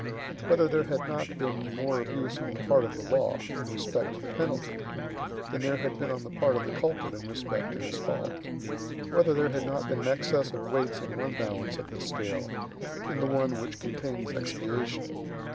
Whether there had not been more abuse on the part of the law, in respect to the penalty, than there had been on the part of the culprit in respect to his fault. Whether there had not been an excess of weights in one balance of the scale, in the one which contains expiation.